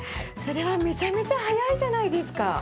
それはめちゃめちゃ早いじゃないですか。